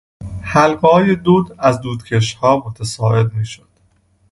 حلقههای دود از دودکشها متصاعد می شد.